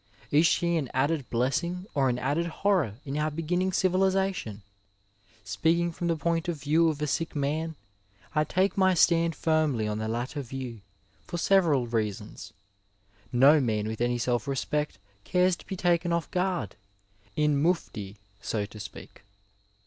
Is she an added blessing or an added horror in our be ginning civilization ? Speaking from the point of view of a sick man, I take my stand firmly on the latter view, for several reasons. No man with any self respect cares to be taken ofE guard, in mufti, so to speak.